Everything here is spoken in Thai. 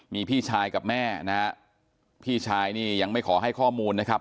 มีพี่ชายกับแม่นะฮะพี่ชายนี่ยังไม่ขอให้ข้อมูลนะครับ